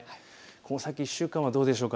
この先１週間はどうでしょう。